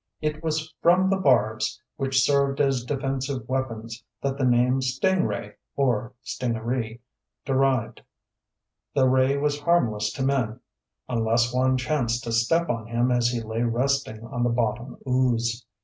It was from the barbs, which served as defensive weapons, that the name sting ray, or stingaree, derived. The ray was harmless to men unless one chanced to step on him as he lay resting on the bottom ooze.